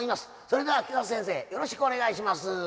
それではキダ先生よろしくお願いします。